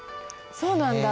そうなんだ！